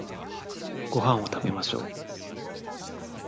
ご飯を食べましょう